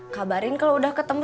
kabarin kalo udah ketemu